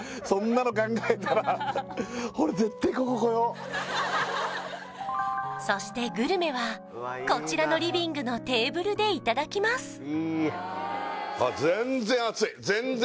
そんなの考えたらそしてグルメはこちらのリビングのテーブルでいただきます